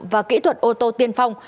và kỹ thuật ô tô tiên phong